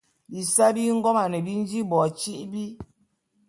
Bisae bi ngoman bi nji bo tîbi.